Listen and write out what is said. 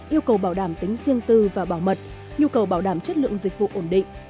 yêu cầu bảo đảm tính riêng tư và bảo mật nhu cầu bảo đảm chất lượng dịch vụ ổn định